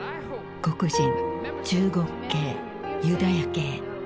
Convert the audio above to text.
黒人中国系ユダヤ系。